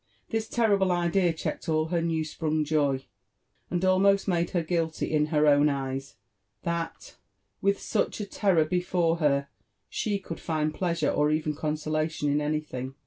This ter rible idea checked all her new *sprung joy, and almost made her guilty in her own eyes, that, with such a terror before her, she oouJd find pleasure or even consolation in anything.